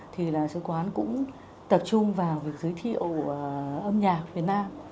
thì đại sứ quán cũng tập trung vào việc giới thiệu âm nhạc việt nam